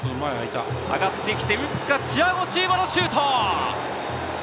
上がってきて打つか、チアゴ・シウバのシュート！